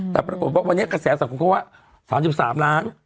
แต่ปรากฏว่าวันนี้กระแสสังคมเขาว่า๓๓ล้าน